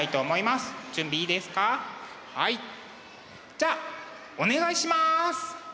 じゃあお願いします！